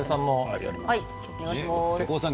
横尾さん